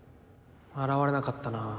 現れなかったなぁ